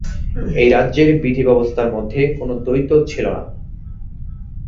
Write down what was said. এই রাজ্যের বিধিব্যবস্থার মধ্যে কোনো দ্বৈধ ছিল না।